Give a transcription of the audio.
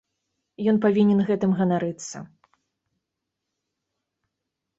Ён павінен гэтым ганарыцца.